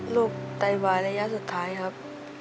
ไตวายระยะสุดท้ายครับ